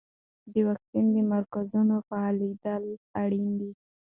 د واکسین د مرکزونو فعالیدل اړین دي.